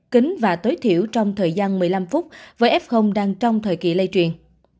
kính và tối thiểu trong thời gian một mươi năm phút với f đang trong thời kỳ lây truyền